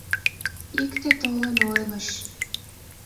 Икте толын ойлыш -